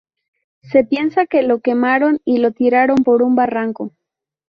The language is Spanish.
Se piensa que lo quemaron y lo tiraron por un barranco.